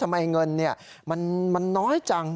ทำไมเงินนี่มันน้อยจัง